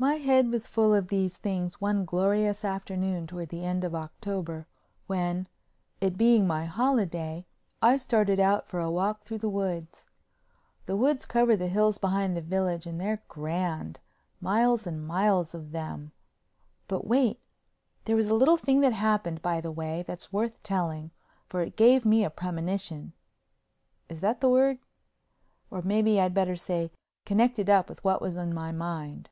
My head was full of these things one glorious afternoon toward the end of October when—it being my holiday—I started out for a walk through the woods. The woods cover the hills behind the village and they're grand, miles and miles of them. But wait! There was a little thing that happened, by the way, that's worth telling, for it gave me a premonition—is that the word? Or, maybe, I'd better say connected up with what was in my mind.